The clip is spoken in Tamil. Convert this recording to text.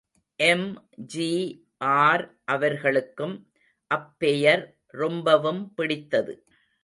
எம்.ஜி.ஆர். அவர்களுக்கும் அப்பெயர் ரொம்பவும் பிடித்தது.